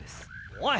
おい！